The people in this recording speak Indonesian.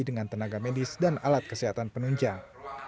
dengan tenaga medis dan alat kesehatan penunjang